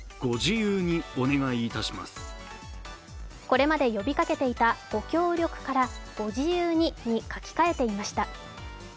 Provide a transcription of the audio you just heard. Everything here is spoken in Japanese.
これまで呼びかけていた「ご協力」から「ご自由に」に書き換えていました。